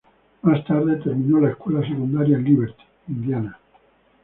Más tarde, terminó la escuela secundaria en Liberty, Indiana.